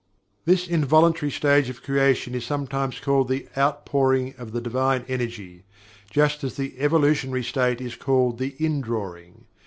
This Involuntary stage of Creation is sometimes called the "Outpouring" of the Divine Energy, just as the Evolutionary state is called the "Indrawing."